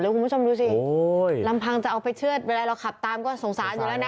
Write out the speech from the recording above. คุณผู้ชมดูสิลำพังจะเอาไปเชื่อดเวลาเราขับตามก็สงสารอยู่แล้วนะ